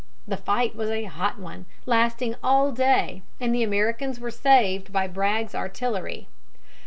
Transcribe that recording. The fight was a hot one, lasting all day, and the Americans were saved by Bragg's artillery.